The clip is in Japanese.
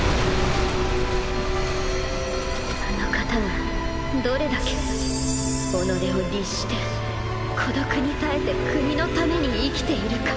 あの方がどれだけ己を律して孤独に耐えて国のために生きているか。